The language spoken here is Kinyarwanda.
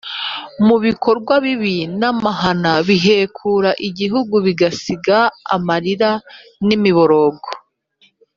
mu bikorwa bibi n’amahano bihekura igihugu bigasiga amarira n’imiborogo.